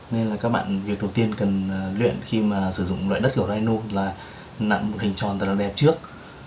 nên là các bạn việc đầu tiên cần luyện khi mà sử dụng loại đất của rhino là nặng một hình tròn rất là đẹp trước